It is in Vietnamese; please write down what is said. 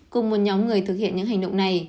cùng một nhóm người thực hiện những hành động này